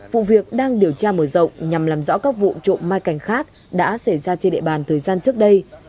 vụ việc đang điều tra mở rộng nhằm làm rõ các vụ trộm mai cảnh khác đã xảy ra trên địa bàn thời gian trước đây